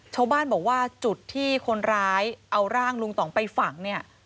ชาวบ้านบอกว่าจุดที่คนร้ายเอาร่างลุงต่องไปฝังเนี่ย